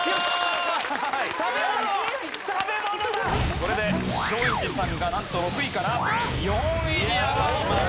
これで松陰寺さんがなんと６位から４位に上がります。